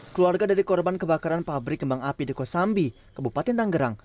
keluarga dari korban kebakaran pabrik kembang api di kosambi kabupaten tanggerang